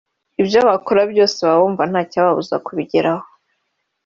ibyo bakora byose baba bumva ntacyababuza kubigeraho